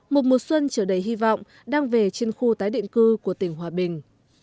một mùa xuân trở đầy hy vọng đang về trên khu tái định cư của tỉnh hòa bình